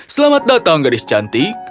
selamat datang gadis cantik